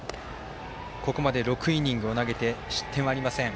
ここまで６イニングを投げて失点はありません。